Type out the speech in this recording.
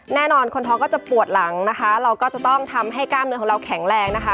แน่นอนคนท้องก็จะปวดหลังนะคะเราก็จะต้องทำให้กล้ามเนื้อของเราแข็งแรงนะคะ